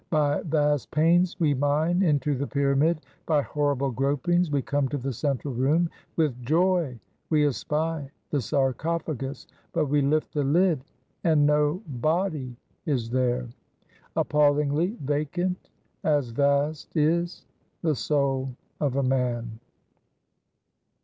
By vast pains we mine into the pyramid; by horrible gropings we come to the central room; with joy we espy the sarcophagus; but we lift the lid and no body is there! appallingly vacant as vast is the soul of a man!